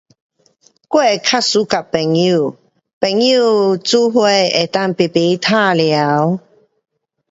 我比较喜欢朋友.朋友